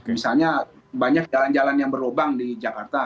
misalnya banyak jalan jalan yang berlubang di jakarta